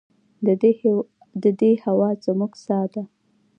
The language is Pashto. د دې هوا زموږ ساه ده؟